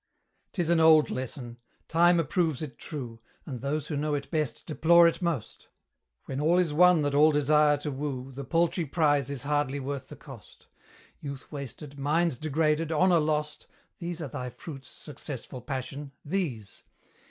'Tis an old lesson: Time approves it true, And those who know it best deplore it most; When all is won that all desire to woo, The paltry prize is hardly worth the cost: Youth wasted, minds degraded, honour lost, These are thy fruits, successful Passion! these!